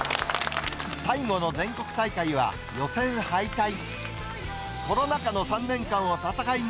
最後の全国大会は、予選敗退。